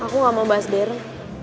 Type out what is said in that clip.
aku gak mau bahas dere